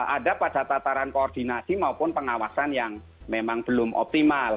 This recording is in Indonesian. ada pada tataran koordinasi maupun pengawasan yang memang belum optimal